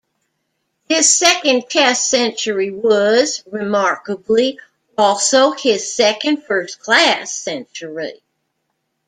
This second Test century was, remarkably, also his second first-class century.